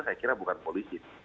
saya kira bukan polisi